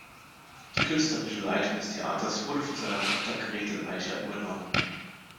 Die künstlerische Leitung des Theaters wurde von seiner Tochter Gretl Aicher übernommen.